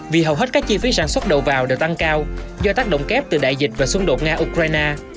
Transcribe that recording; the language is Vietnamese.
vì hầu hết các chi phí sản xuất đầu vào đều tăng cao do tác động kép từ đại dịch và xung đột nga ukraine